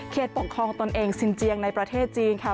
ปกครองตนเองสินเจียงในประเทศจีนค่ะ